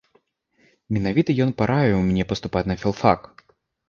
Менавіта ён параіў мне паступаць на філфак.